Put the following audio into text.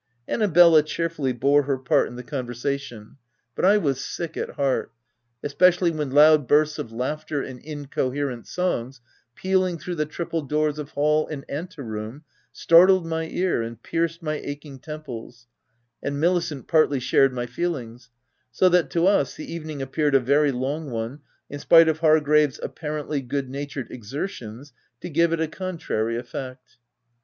An nabella cheerfully bore her part in the conversa OF WILDFELL HALL. 227 tion ; but I was sick at heart, — especially when loud bursts of laughter and incoherent songs, pealing through the triple doors of hall and ante room, startled my ear and pierced my aching temples ;— and Milicent partly shared my feel ings ; so that, to us, the evening appeared a very long one, in spite of Hargrave's appa rently, good natured exertions to give it a con trary effect.